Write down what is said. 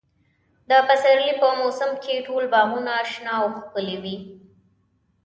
د پسرلي په موسم کې ټول باغونه شنه او ښکلي وي.